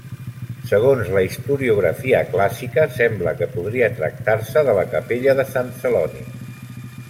Segons la historiografia clàssica, sembla que podria tractar-se de la capella de Sant Celoni.